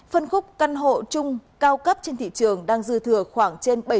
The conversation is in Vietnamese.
phân khúc căn hộ trung cao cấp trên thị trường đang dư thừa khoảng trên